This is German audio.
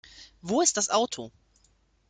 Wo ist das Auto?